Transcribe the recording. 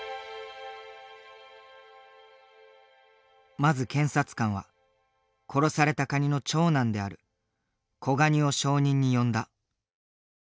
まず検察官は殺されたカニの長男である子ガニを証人に呼んだ。